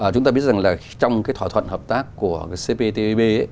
chúng ta biết rằng trong thỏa thuận hợp tác của cptpp